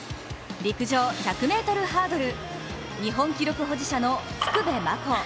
陸上１００ｍハードル、日本記録保持者の福部真子。